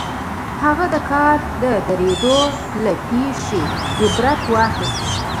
هغه د کار د درېدو له پېښې عبرت واخيست.